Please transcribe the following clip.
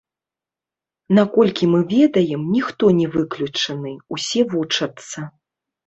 Наколькі мы ведаем, ніхто не выключаны, усе вучацца.